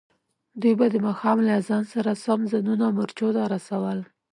دوی به د ماښام له اذان سره سم ځانونه مورچو ته رسول.